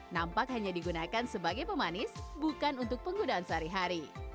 nampak hanya digunakan sebagai pemanis bukan untuk penggunaan sehari hari